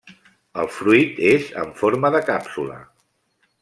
El fruit és en forma de càpsula.